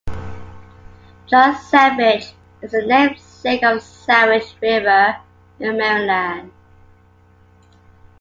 John Savage is the namesake of the Savage River in Maryland.